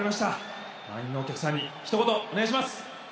満員のお客さんにひと言お願いします！